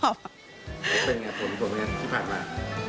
แล้วเป็นยังไงกับคนที่ผ่านมา